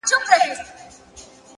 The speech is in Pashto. خاموش کار تر لوړ غږ اغېزمن دی’